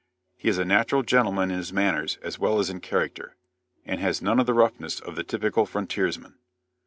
He is a natural gentleman in his manners as well as in character, and has none of the roughness of the typical frontiersman.